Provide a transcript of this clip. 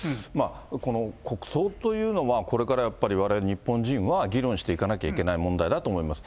この国葬というのは、これからやっぱりわれわれ日本人は議論していかなきゃいけない問題だと思います。